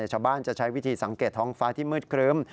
ชาวบ้านจะใช้วิธีสังเกตท้องฟ้าที่มืดครึ้ม